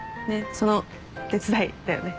その手伝いだよね。